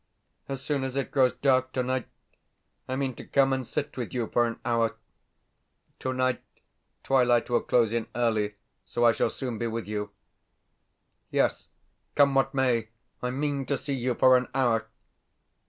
As soon as it grows dark tonight I mean to come and sit with you for an hour. Tonight twilight will close in early, so I shall soon be with you. Yes, come what may, I mean to see you for an hour.